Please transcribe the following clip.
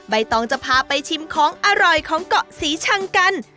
ตองจะพาไปชิมของอร่อยของเกาะศรีชังกัน